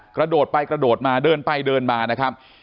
กระโดดไปกระโดดมาเดินไปเดินมานะครับ